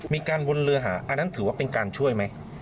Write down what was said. มีการวนเรือหาอันนั้นถือว่าเป็นการช่วยไหม